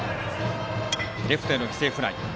レフトへの犠牲フライ。